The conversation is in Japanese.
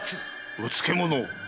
⁉うつけ者！